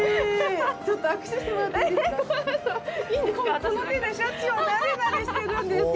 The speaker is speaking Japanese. ちょっと握手してもらっていいですか？